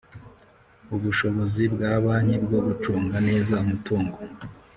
Ubushobozi bwa banki bwo gucunga neza umutungo